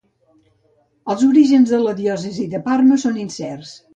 Els orígens de la diòcesi de Parma són incerts.